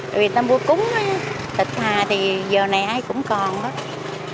tại vì ta mua cúng thịt hà thì giờ này ai cũng còn đó